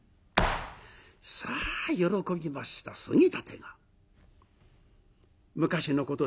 さあ喜びました杉立が昔のことですから芝居茶屋